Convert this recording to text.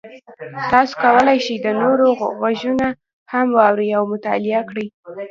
تاسو کولی شئ د نورو غږونه هم واورئ او مطالعه کړئ.